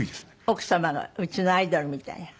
奥様がうちのアイドルみたいな？